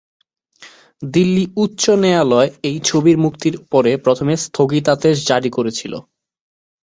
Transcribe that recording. দিল্লি উচ্চ ন্যায়ালয় এই ছবির মুক্তির উপরে প্রথমে স্থগিতাদেশ জারি করেছিল।